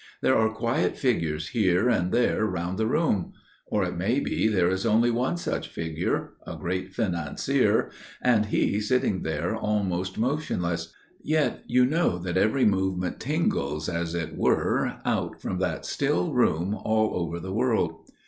There are quiet figures here and there round the room. Or it may be there is only one such figure––a great financier––and he sitting there almost motionless. Yet you know that every movement tingles, as it were, out from that still room all over the world.